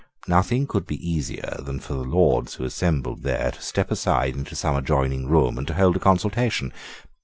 Nothing could be easier than for the Lords who assembled there to step aside into some adjoining room and to hold a consultation.